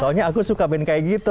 soalnya aku suka band kayak gitu